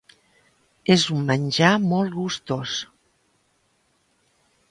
És un menjar molt gustós.